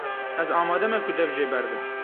Ez amade me ku dev jê berdim.